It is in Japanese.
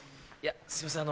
すいません